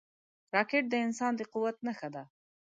راکټ د انسان د قوت نښه ده